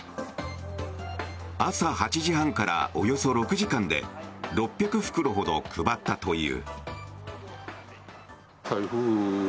朝８時半からおよそ６時間で６００袋ほど配ったという。